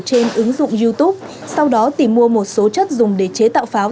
trên ứng dụng youtube sau đó tìm mua một số chất dùng để chế tạo pháo